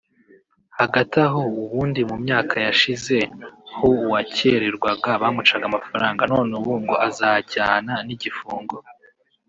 Hagati aho ubundi mu myaka yashize ho uwakererwaga bamucaga amafaranga none ubu ngo azajyana n’igifungo